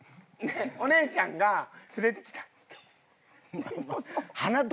お姉ちゃんが連れてきた今日妹を。